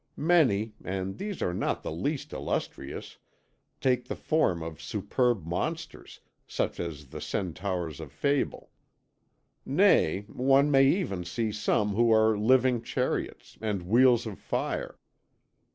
Many, and these not the least illustrious, take the form of superb monsters, such as the Centaurs of fable; nay, one may even see some who are living chariots, and wheels of fire.